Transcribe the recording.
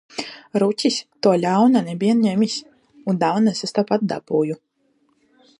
Rūķis to ļaunā nebija ņēmis un dāvanas es tāpat dabūju.